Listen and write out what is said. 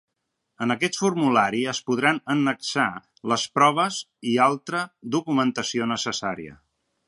En aquest formulari es podran annexar les proves i altra documentació necessària.